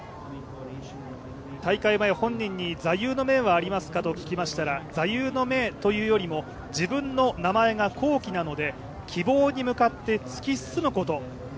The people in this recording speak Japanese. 大会前、本人に座右の銘はありますかと聞きましたら座右の銘というよりも自分の名前が向希なので、希望に向かって突き進むこと。